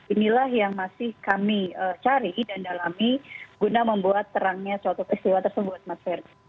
inilah yang masih kami cari dan dalami guna membuat terangnya suatu peristiwa tersebut mas ferdi